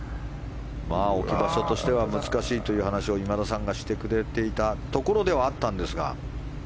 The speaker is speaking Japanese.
置き場所としては難しいと今田さんがしてくれていたところではあったんですが。